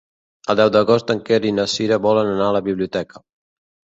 El deu d'agost en Quer i na Cira volen anar a la biblioteca.